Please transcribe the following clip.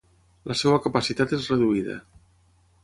La seva capacitat és reduïda.